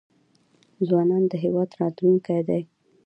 ځوانان د هیواد راتلونکی دی